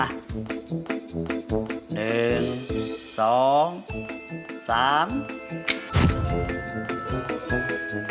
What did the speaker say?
หนึ่ง